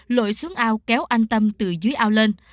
lội xuống ao kéo anh tâm từ dưới ao lên